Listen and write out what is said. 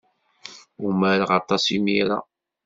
Umareɣ aṭas imir-a.